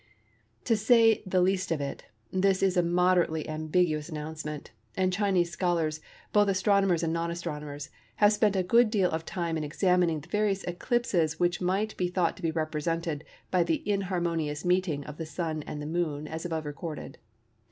To say the least of it, this is a moderately ambiguous announcement, and Chinese scholars, both astronomers and non astronomers, have spent a good deal of time in examining the various eclipses which might be thought to be represented by the inharmonious meeting of the Sun and the Moon as above recorded.